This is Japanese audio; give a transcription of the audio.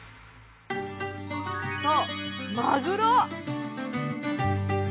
そうマグロ！